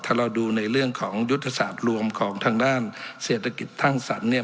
ถ้าเราดูในเรื่องของยุทธศาสตร์รวมของทางด้านเศรษฐกิจสร้างสรรค์เนี่ย